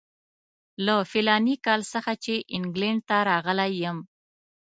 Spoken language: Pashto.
له فلاني کال څخه چې انګلینډ ته راغلی یم.